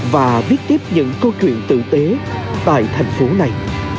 và viết tiếp những câu chuyện tử tế tại thành phố này